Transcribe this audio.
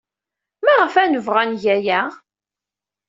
Maɣef ad nebɣu ad neg aya?